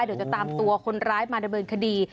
เดี๋ยวจะตามตัวคนร้ายมาดำเนินคดี